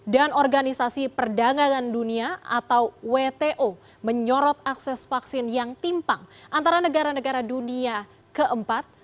dan organisasi perdagangan dunia atau wto menyorot akses vaksin yang timpang antara negara negara dunia keempat